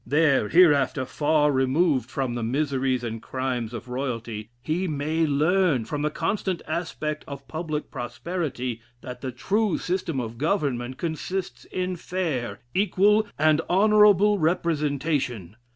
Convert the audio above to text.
There, hereafter, far removed from the miseries and crimes of royalty, he may learn, from the constant aspect of public prosperity, that the true system of government consists in fair, equal, and honora able representation.